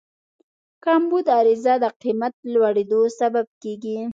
کمبود عرضه د قیمت لوړېدو سبب کېږي.